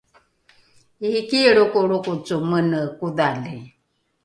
iiki lrokolrokoco mene kodhali